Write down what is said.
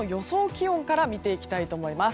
気温から見ていきたいと思います。